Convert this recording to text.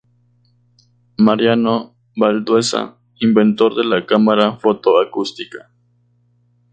Mariano Valdueza inventor de la Cámara Foto-Acústica.